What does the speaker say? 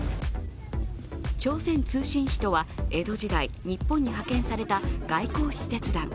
朝鮮通信使とは江戸時代、日本に派遣された外交使節団。